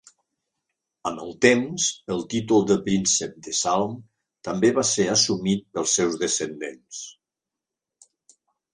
Amb el temps, el títol de príncep de Salm també va ser assumit pels seus descendents.